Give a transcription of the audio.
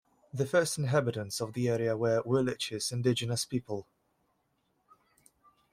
The first inhabitants of the area were Huilliches indigenous people.